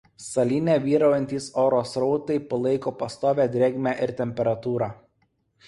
Salyne vyraujantys oro srautai palaiko pastovią drėgmę ir temperatūrą.